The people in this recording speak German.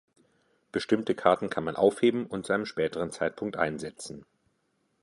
Bestimmte Karten kann man aufheben und zu einem späteren Zeitpunkt einsetzen.